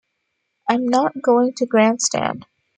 I'm not going to grandstand.